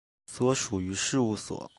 所属于事务所。